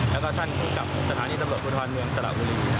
แล้วก็ท่านภูมิกับสถานีตำรวจภูทรเมืองสระบุรี